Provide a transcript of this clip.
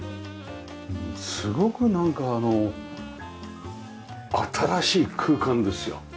すごくなんかあの新しい空間ですよ。